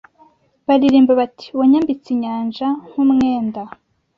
baririmba bati Wayambitse inyanja nkumwenda